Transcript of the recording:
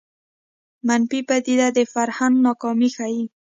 منفي پدیدې د فرهنګ ناکامي ښيي